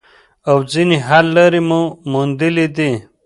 او ځینې حل لارې مو موندلي دي